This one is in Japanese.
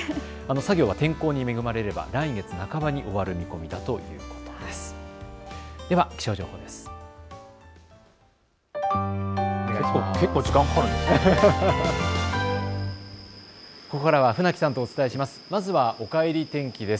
作業は天候に恵まれれば来月半ばに終わる見込みだということです。